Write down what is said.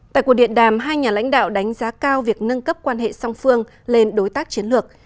tại cuộc điện đàm hai nhà lãnh đạo đánh giá cao việc nâng cấp quan hệ song phương lên đối tác chiến lược